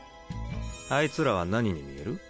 あいつらは何に見える？